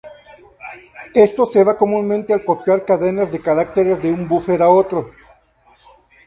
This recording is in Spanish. Esto se da comúnmente al copiar cadenas de caracteres de un búfer a otro.